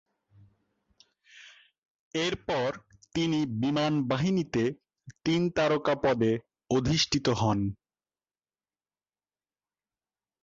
এরপর তিনি বিমান বাহিনীতে তিন তারকা পদে অধিষ্ঠিত হন।